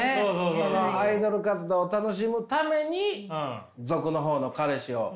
そのアイドル活動楽しむために俗の方の彼氏を。